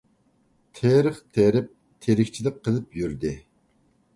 تېرىق تېرىپ ، تىرىكچىلىك قىلىپ يۈردى.